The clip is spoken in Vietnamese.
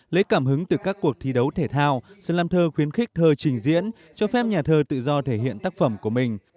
lấy cảm hứng từ các cuộc thi đấu thể thao slam thơ khuyến khích thơ trình diễn cho phép nhà thơ tự do thể hiện tác phẩm của mình